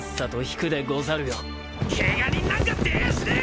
ケガ人なんか出やしねえ！